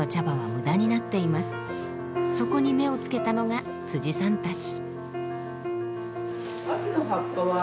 そこに目をつけたのがさんたち。